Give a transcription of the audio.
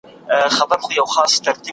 خلیفه باید د خلګو ستونزې حل کړي.